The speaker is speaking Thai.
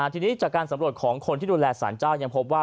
ทีนี้จากการสำรวจของคนที่ดูแลสารเจ้ายังพบว่า